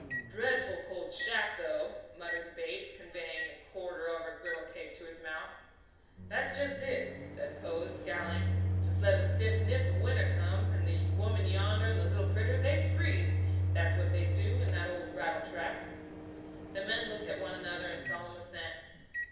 "Dreadful cold shack, though!" muttered Bates, conveying a quarter of a griddlecake to his mouth. "That's just it," said Pose, scowling. "Just let a stiff nip of winter come, and the woman yonder and the little critter, they'd freeze, that's what they'd do, in that old rattletrap." The men looked at one another in solemn assent.